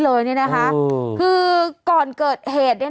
วันนี้จะเป็นวันนี้